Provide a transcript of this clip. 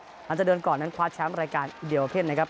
หลังจากเดินก่อนนั้นควาชัมป์รายการเดี๋ยวเพลินนะครับ